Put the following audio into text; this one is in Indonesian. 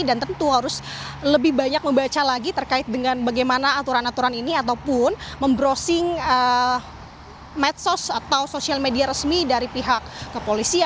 dan tentu harus lebih banyak membaca lagi terkait dengan bagaimana aturan aturan ini ataupun membrosing medsos atau sosial media resmi dari pihak kepolisian